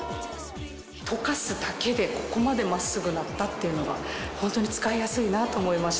とかすだけでここまで真っすぐなったっていうのがホントに使いやすいなと思いました。